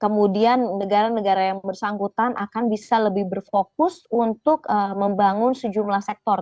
kemudian negara negara yang bersangkutan akan bisa lebih berfokus untuk membangun sejumlah sektor